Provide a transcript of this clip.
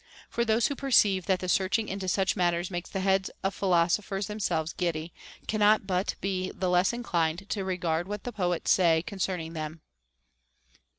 For those who perceive that the searching into such matters makes the heads of philoso phers themselves giddy cannot but be the less inclined to regard what poets say concerning them.